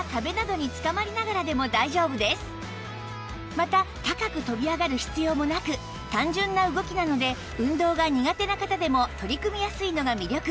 また高く跳び上がる必要もなく単純な動きなので運動が苦手な方でも取り組みやすいのが魅力